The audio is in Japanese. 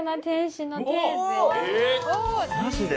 マジで？